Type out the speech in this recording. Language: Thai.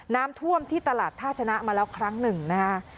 น้ำท่วมที่ตลาดท่าชนะมาแล้วครั้งหนึ่งนะคะ